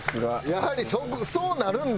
やはりそうなるんですね。